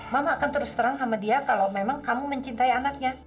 mama akan terus terang sama dia kalau memang kamu mencintai anaknya